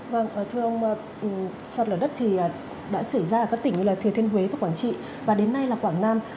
vâng thưa ông sạt lở đất thì đã xảy ra ở các tỉnh như thừa thiên huế và quảng trị và đến nay là quảng nam